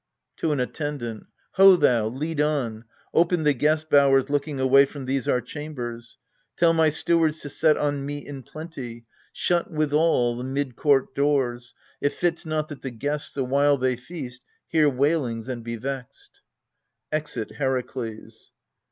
\To an ATTENDANT] Ho thou, lead on: open the' guest bowers looking Away from these our chambers. Tell my stewards To set on meat in plenty. Shut withal The mid court doors : it fits not that the guests, The while they feast, hear wailings, and be vexed. {Exit HERAKLES.